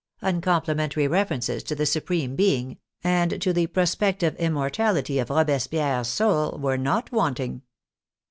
Uncomplimentary references to the Supreme Being and to the prospective immortality of Robes pierre's soul were not wanting.